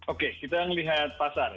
oke kita melihat pasar